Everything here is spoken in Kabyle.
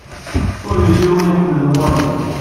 Ur yelli win iḥemlen wayeḍ.